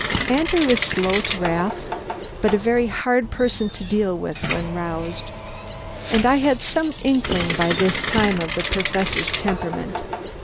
Andrew is slow to wrath, but a very hard person to deal with when roused. And I had some inkling by this time of the Professor's temperament.